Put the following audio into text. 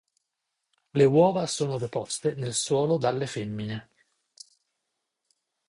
Le uova sono deposte nel suolo dalle femmine.